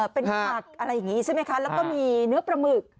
เป็นผักอะไรอย่างนี้ใช่ไหมคะแล้วก็มีเนื้อปลาหมึก